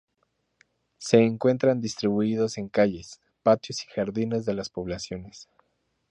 Se encuentran distribuidos en calles, patios y jardines de las poblaciones.